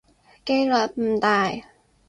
機率唔大